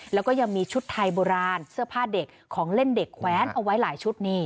แล้วก็ยังมีชุดไทยโบราณเสื้อผ้าเด็กของเล่นเด็กแว้นเอาไว้หลายชุดนี่